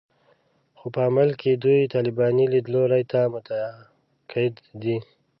خو په عمل کې دوی طالباني لیدلوري ته معتقد دي